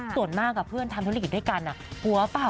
ส่วนมากเมื่อนที่ทำธุรกิจด้วยกันหัวเป่า